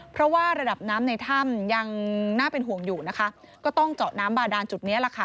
ก็ช่วยกันอีกทางหนึ่งนะคะ